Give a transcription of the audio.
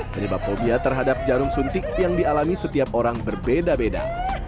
penyebab fobia terhadap jarum suntik yang dialami setiap orang berbeda beda